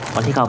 con thích không